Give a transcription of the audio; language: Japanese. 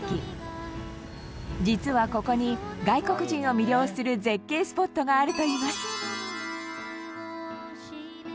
実はここに外国人を魅了する絶景スポットがあるといいます。